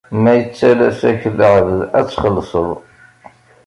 Ma yettalas-ak lɛebd ad txellseḍ.